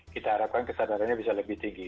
kita harapkan kesadarannya bisa lebih tinggi